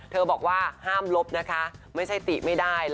บอกว่าห้ามลบนะคะไม่ใช่ติไม่ได้